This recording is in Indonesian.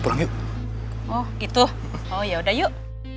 oh gitu oh ya udah yuk